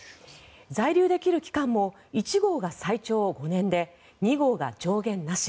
在留できる期間も１号が最長５年で２号が上限なし。